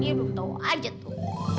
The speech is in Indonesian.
dia udah tau aja tuh